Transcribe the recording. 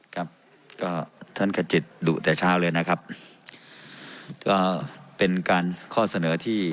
ครับก็ท่านขจิตดุแต่เช้าเลยนะครับก็เป็นการข้อเสนอที่